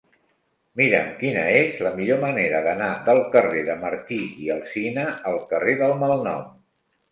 Mira'm quina és la millor manera d'anar del carrer de Martí i Alsina al carrer del Malnom.